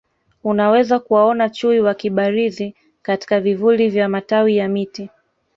Unaweza kuwaona Chui wakibarizi katika vivuli vya matawi ya miti